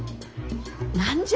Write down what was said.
何じゃ？